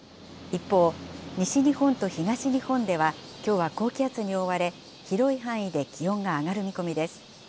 一方、西日本と東日本では、きょうは高気圧に覆われ、広い範囲で気温が上がる見込みです。